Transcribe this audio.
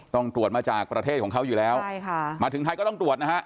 ต้องตรวจมาจากประเทศของเขาอยู่แล้วใช่ค่ะมาถึงไทยก็ต้องตรวจนะฮะ